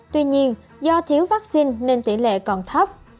tuy nhiên do thiếu vaccine nên tỷ lệ còn thấp